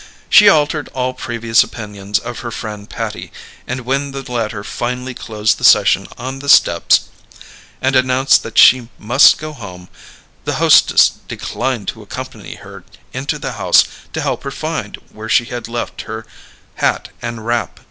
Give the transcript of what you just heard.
She altered all previous opinions of her friend Patty, and when the latter finally closed the session on the steps, and announced that she must go home, the hostess declined to accompany her into the house to help her find where she had left her hat and wrap.